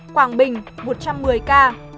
quảng bình một trăm một mươi ca